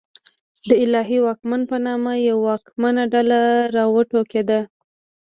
د الهي واکمن په نامه یوه واکمنه ډله راوټوکېده.